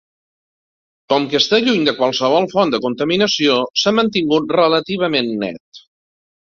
Com que està lluny de qualsevol font de contaminació, s'ha mantingut relativament net.